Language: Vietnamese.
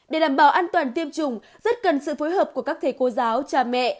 để đảm bảo an toàn tiêm chủng rất cần sự phối hợp của các thầy cô giáo cha mẹ